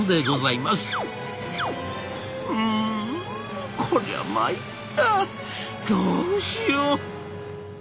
「うんこりゃまいったどうしよう」。